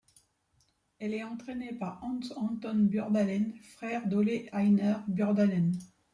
Elle est entrainée par Hans Anton Bjørndalen, frère d'Ole Einar Bjørndalen.